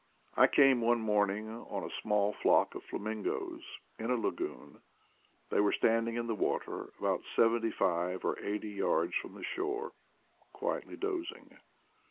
I came one morning on a small flock of flamingoes in a lagoon; they were standing in the water, about seventy five or eighty yards from the shore, quietly dozing.